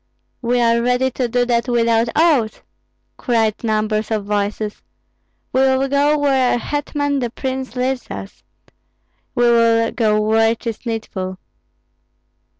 "We are ready to do that without oaths!" cried numbers of voices. "We will go where our hetman the prince leads us; we will go where 'tis needful."